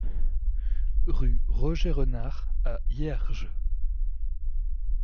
Rue Roger Renard à Hierges